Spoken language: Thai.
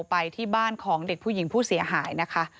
ไปที่บ้านของเด็กผู้หญิงผู้เสียหายนะคะ